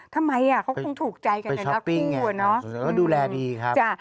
ทำไมอ่ะเขาคงถูกใจกันนะคู่อ่ะเนอะดูแลดีครับจ้ะ